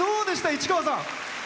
市川さん。